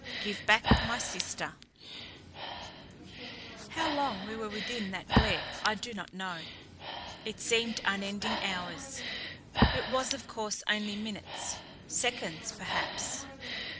GIVE BACK MY SISTER" How long we were within that glare I do not know; it seemed unending hours; it was of course only minutes seconds, perhaps.